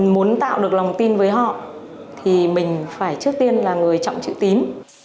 muốn tạo được lòng tin với họ thì mình phải trước tiên là người trọng chữ tín